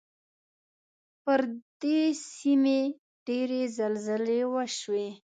پر دې سیمې ډېرې زلزلې وشوې.